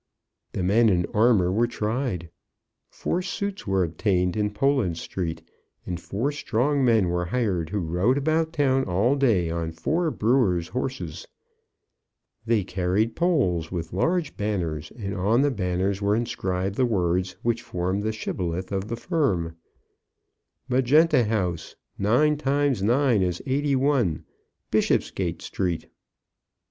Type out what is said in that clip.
The men in armour were tried. Four suits were obtained in Poland Street, and four strong men were hired who rode about town all day on four brewers' horses. They carried poles with large banners, and on the banners were inscribed the words which formed the shibboleth of the firm; MAGENTA HOUSE, 9 TIMES 9 IS 81, BISHOPSGATE STREET.